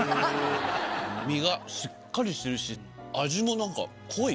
身がしっかりしてるし味もなんか濃い。